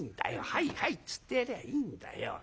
『はいはい』っつってやりゃいいんだよ。